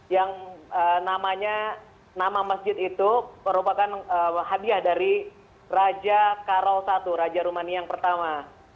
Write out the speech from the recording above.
yang namanya nama masjid itu merupakan hadiah dari raja karol i raja rumania yang pertama